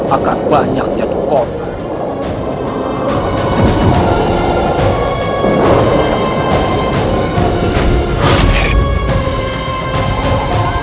akan banyak jatuh korban